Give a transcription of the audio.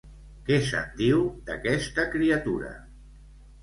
Què se'n diu, d'aquesta criatura?